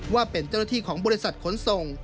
ว่าเป็นเจ้าหน้าที่ของบริษัทขนส่ง